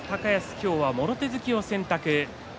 今日はもろ手突きを選択。